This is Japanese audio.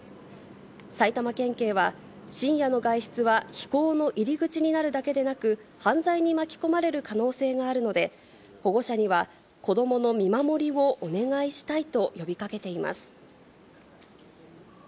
埼玉県警は、深夜の外出は非行の入り口になるだけでなく、犯罪に巻き込まれる可能性があるので、保護者には子どもの見守りをお願いしたいと呼びかけています。